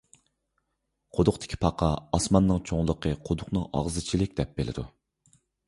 قۇدۇقتىكى پاقا، ئاسماننىڭ چوڭلۇقى قۇدۇقنىڭ ئاغزىچىلىك دەپ بىلىدۇ.